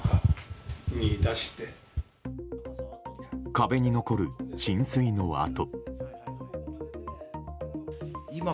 壁に残る浸水の跡。